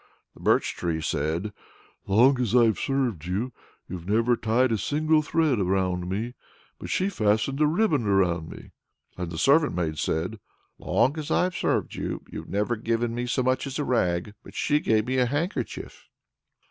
The birch tree said, "Long as I've served you, you've never tied a single thread round me; but she fastened a ribbon around me." And the servant maid said, "Long as I've served you, you've never given me so much as a rag; but she gave me a handkerchief."